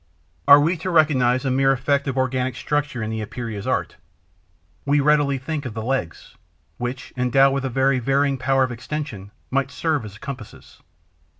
Are we to recognize a mere effect of organic structure in the Epeira's art? We readily think of the legs, which, endowed with a very varying power of extension, might serve as compasses.